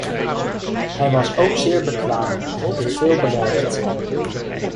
Hij was ook zeer bekwaam en heeft veel bereikt.